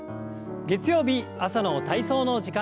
月曜日朝の体操の時間です。